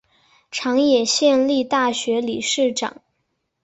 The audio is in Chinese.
长野县立大学理事长。